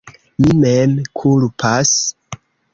Mi mem kulpas.